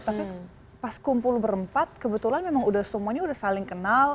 tapi pas kumpul berempat kebetulan memang semuanya udah saling kenal